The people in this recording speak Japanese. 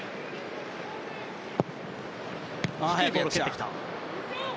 低いボールを蹴ってきた。